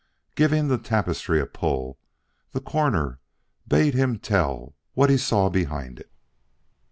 Giving the tapestry a pull, the Coroner bade him tell what he saw behind it.